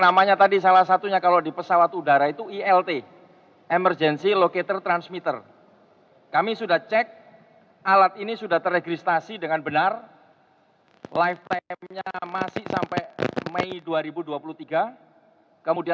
wassalamu'alaikum warahmatullahi wabarakatuh